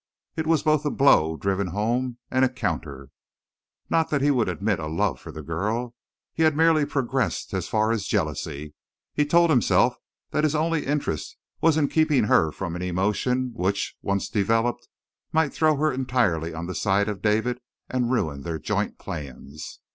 It was both a blow driven home and a counter. Not that he would admit a love for the girl; he had merely progressed as far as jealousy. He told himself that his only interest was in keeping her from an emotion which, once developed, might throw her entirely on the side of David and ruin their joint plans.